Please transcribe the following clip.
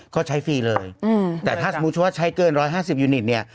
ก็ใช้ฟรีเลยแต่ถ้าสมมุติว่าใช้เกิน๑๕๐ยูนิตเนี่ย